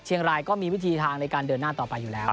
รายก็มีวิธีทางในการเดินหน้าต่อไปอยู่แล้ว